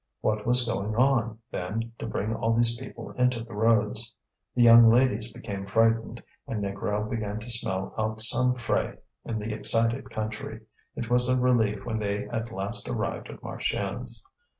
What was going on, then, to bring all these people into the roads? The young ladies became frightened, and Négrel began to smell out some fray in the excited country; it was a relief when they at last arrived at Marchiennes.